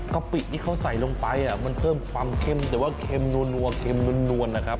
กปิที่เขาใส่ลงไปมันเพิ่มความเข้มแต่ว่าเค็มนัวเค็มนวลนะครับ